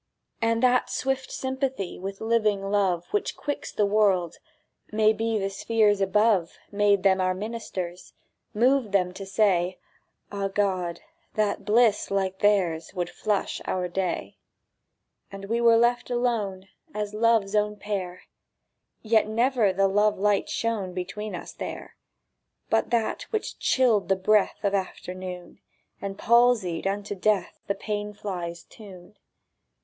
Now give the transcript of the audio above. And that swift sympathy With living love Which quicks the world—maybe The spheres above, Made them our ministers, Moved them to say, "Ah, God, that bliss like theirs Would flush our day!" And we were left alone As Love's own pair; Yet never the love light shone Between us there! But that which chilled the breath Of afternoon, And palsied unto death The pane fly's tune.